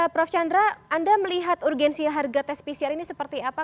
prof chandra anda melihat urgensi harga tes pcr ini seperti apa